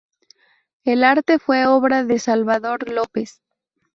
El arte fue obra de Salvador López.